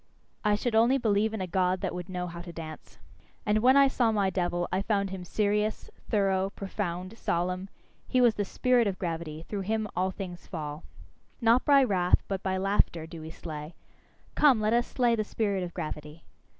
I should only believe in a God that would know how to dance. And when I saw my devil, I found him serious, thorough, profound, solemn: he was the spirit of gravity through him all things fall. Not by wrath, but by laughter, do we slay. Come, let us slay the spirit of gravity!